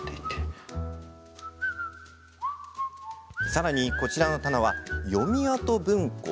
さらに、こちらの棚は読跡文庫。